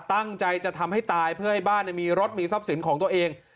ตั้งใจจะทำให้ตายเพื่อให้บ้านมีรถมีทรัพย์สินของตัวเอง